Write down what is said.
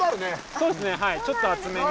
そうですねはいちょっと熱めに。